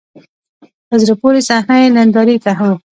په زړه پورې صحنه یې نندارې ته و.